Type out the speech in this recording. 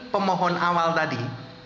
pemohon awal tadi